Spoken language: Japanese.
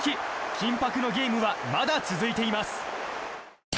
緊迫のゲームはまだ続いています。